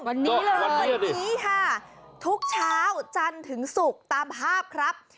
วันนี้เลยวันนี้ค่ะทุกเช้าจันทร์ถึงศุกร์ตามภาพครับ